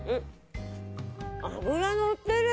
脂のってる！